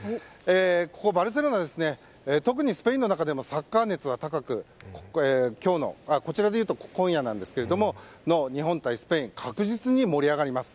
ここバルセロナは特にスペインの中でもサッカー熱が高くて、今日のこちらでいうと今夜なんですが日本対スペイン確実に盛り上がります。